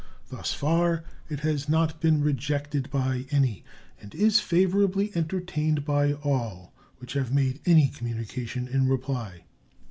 Thus far it has not been rejected by any, and is favorably entertained by all which have made any communication in reply.